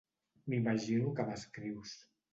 M'imagino que m'escrius.